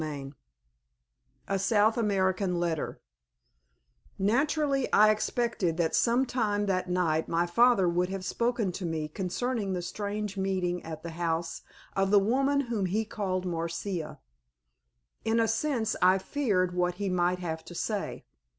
CHAPTER V A SOUTH AMERICAN LETTER Naturally I expected that some time that night my father would have spoken to me concerning the strange meeting at the house of the woman whom he had called Marcia. In a sense I feared what he might have to say.